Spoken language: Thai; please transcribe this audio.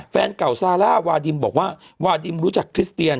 แฟนเก่าซาร่าวาดิมบอกว่าวาดิมรู้จักคริสเตียน